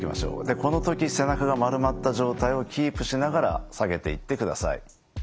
この時背中が丸まった状態をキープしながら下げていってください。